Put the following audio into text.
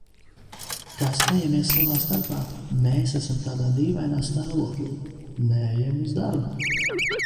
Kā smejamies savā starpā – mēs esam tādā dīvainā stāvoklī, neejam uz darbu.